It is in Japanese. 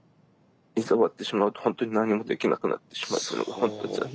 いざ終わってしまうとほんとに何もできなくなってしまうというのがほんと残念。